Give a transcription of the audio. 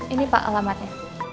ini pak alamatnya